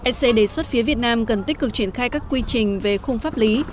sc đề xuất phía việt nam cần tích cực triển khai các quy trình về khung pháp lý